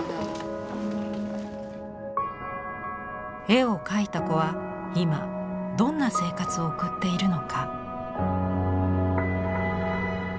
絵を描いた子は今どんな生活を送っているのか？